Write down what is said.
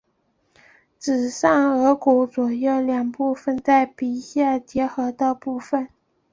指上腭骨左右两部份在鼻下接合的部份。